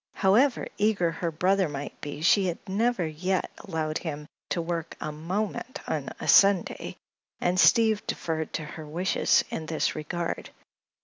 However eager her brother might be she had never yet allowed him to work a moment on a Sunday, and Steve deferred to her wishes in this regard.